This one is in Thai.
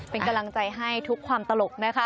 เป็นกำลังใจให้ทุกความตลกนะคะ